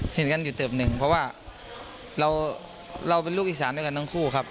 เห็นกันอยู่เติบหนึ่งเพราะว่าเราเป็นลูกอีสานด้วยกันทั้งคู่ครับ